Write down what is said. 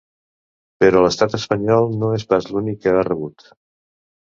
Però l’estat espanyol no és pas l’únic que ha rebut.